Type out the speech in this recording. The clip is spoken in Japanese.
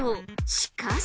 しかし。